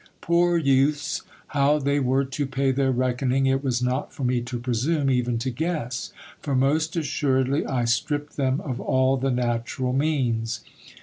Poor youths ! How they were to pay their reckoning, it was not for me to presume even to guess, for most as suredly I stripped them of all the natural means.